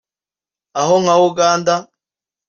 aho nka Uganda